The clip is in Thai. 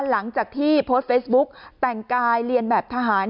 หลังจากที่โพสต์เฟซบุ๊กแต่งกายเรียนแบบทหาร